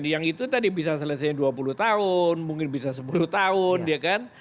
yang itu tadi bisa selesainya dua puluh tahun mungkin bisa sepuluh tahun ya kan